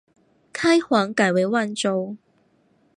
开皇改为万州。